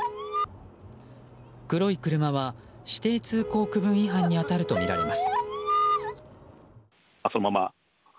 黒い車は指定通行区分違反に当たるとみられます。